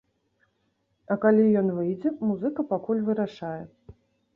А калі ён выйдзе, музыка пакуль вырашае.